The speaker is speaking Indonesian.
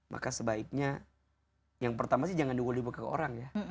maka sebaiknya yang pertama sih jangan diunggul ibu ke orang ya